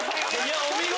お見事！